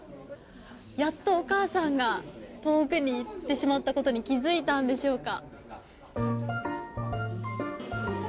やっとお母さんが遠くに行ってしまったことに気づいたんでしょうか。